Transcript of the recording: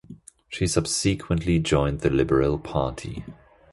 She subsequently joined the Liberal Party.